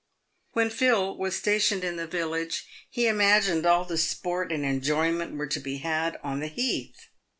When Phil was stationed in the village, he imagined all the sport and enjoyment were to be had on the heath.